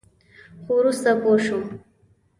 خو وروسته پوه شوم.